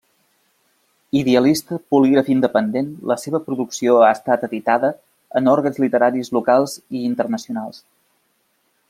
Idealista, polígraf independent, la seva producció ha estat editada en òrgans literaris locals i internacionals.